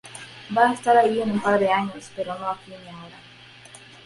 Va a estar ahí en un par de años pero no aquí ni ahora.